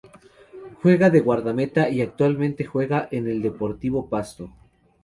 Juega de guardameta y actualmente juega en el Deportivo Pasto.